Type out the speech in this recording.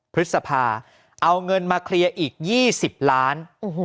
พฤษภาเอาเงินมาเคลียร์อีก๒๐ล้าน